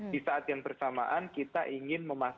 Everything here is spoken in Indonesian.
di saat yang bersamaan kita ingin memastikan